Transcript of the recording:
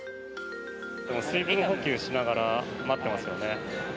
水分補給しながら待ってますよね。